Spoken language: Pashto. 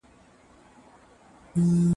تاریخ زموږ تېروتی انځور دی.